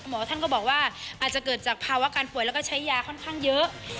หมอท่านก็บอกว่าอาจจะเกิดจากภาวะการป่วยแล้วก็ใช้ยาค่อนข้างเยอะ